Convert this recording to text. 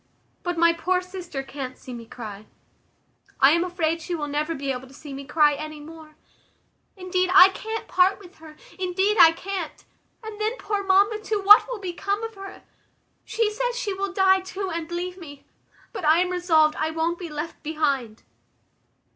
But my poor sister can't see me cry. I am afraid she will never be able to see me cry any more. Indeed, I can't part with her; indeed, I can't. And then poor mamma too, what will become of her? She says she will die too, and leave me: but I am resolved I won't be left behind."